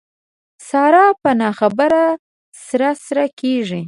ساره په نه خبره سره سره کېږي.